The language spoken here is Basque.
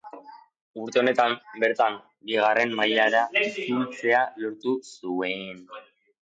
Urte honetan bertan bigarren mailara itzultzea lortu zuen.